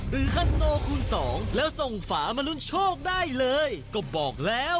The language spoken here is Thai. หรือคันโซคูณสองแล้วส่งฝามาลุ้นโชคได้เลยก็บอกแล้ว